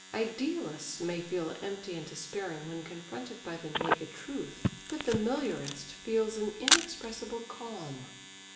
Idealists may feel empty and despairing when confronted by the naked truth, but the meliorist feels an inexpressible calm.